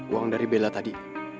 uang dari bella tadi